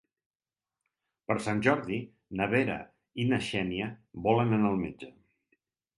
Per Sant Jordi na Vera i na Xènia volen anar al metge.